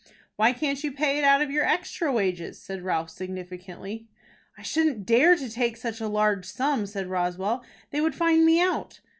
"Why can't you pay it out of your extra wages?" said Ralph, significantly. "I shouldn't dare to take such a large sum," said Roswell. "They would find me out."